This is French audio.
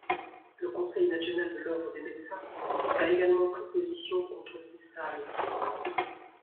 Le conseil national de l'Ordre des médecins a également pris position contre ces salles.